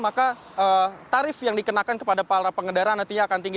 maka tarif yang dikenakan kepada para pengendara nantinya akan tinggi